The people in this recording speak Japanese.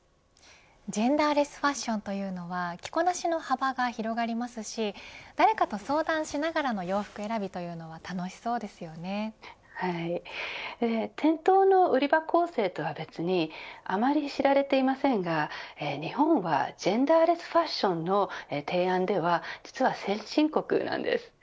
ジェンダーレスファッションというのは着こなしの幅が広がりますし誰かと相談しながらの洋服選びというのは店頭の売り場構成とは別にあまり知られていませんが日本はジェンダーレスファッションの提案では実は先進国なんです。